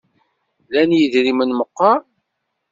Lan idrimen meqqar?